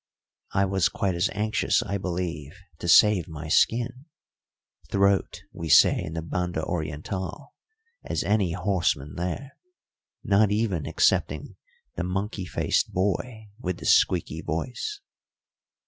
I was quite as anxious, I believe, to save my skin throat, we say in the Banda Orientál as any horseman there, not even excepting the monkey faced boy with the squeaky voice.